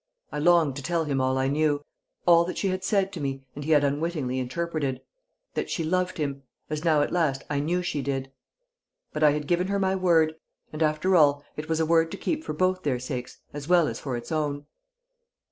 I longed to tell him all I knew, all that she had said to me and he had unwittingly interpreted; that she loved him, as now at last I knew she did; but I had given her my word, and after all it was a word to keep for both their sakes as well as for its own.